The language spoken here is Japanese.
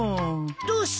どうして？